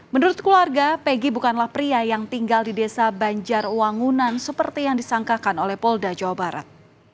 menurut keluarga pegi bukanlah pria yang tinggal di desa banjarwangunan seperti yang disangkakan oleh polda jawa barat